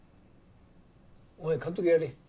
お前監督やれ。